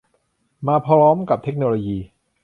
มาพร้อมกับเทคโนโลยี